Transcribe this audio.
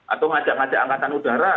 atau ngajak ngajak angkatan udara